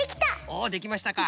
おできましたか。